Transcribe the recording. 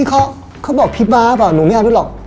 เขาบอกพี่บ้าเปล่าหนูไม่เอาด้วยหรอก